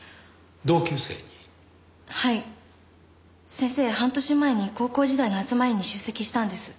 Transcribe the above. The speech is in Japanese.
先生半年前に高校時代の集まりに出席したんです。